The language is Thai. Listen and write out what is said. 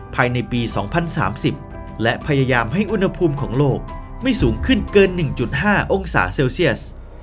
ภายในปี๒๐๓๐และพยายามให้อุณหภูมิของโลกไม่สูงขึ้นเกิน๑๕องศาเซลเซียส